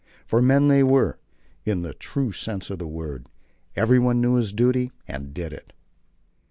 For men they were, in the true sense of the word. Everyone knew his duty, and did it.